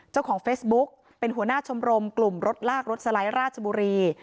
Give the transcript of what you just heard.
เจ้าของเฟซบุ๊กเป็นหัวหน้าชมรมกลุ่มรถลากรถสไลด์ราชบุรี